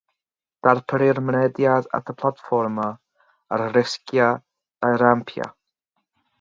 Darperir mynediad at y platfformau ar risiau a rampiau.